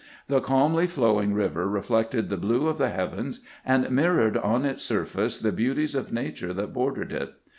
The calmly flowing river reflected the blue of the heavens, and mirrored on its surface the beauties of nature that bordered it.